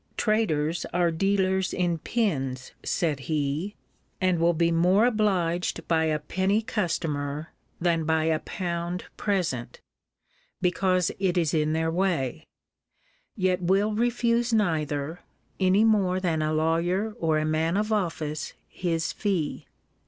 Traders are dealers in pins, said he, and will be more obliged by a penny customer, than by a pound present, because it is in their way: yet will refuse neither, any more than a lawyer or a man of office his fee.